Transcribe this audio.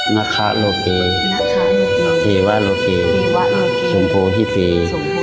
นาคารุกีฮีวารุกีสุงภูฮิปี